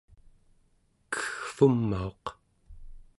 keggevumauq